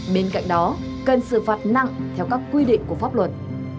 bên cạnh đó cần xử phạt nặng theo các quy định của pháp luật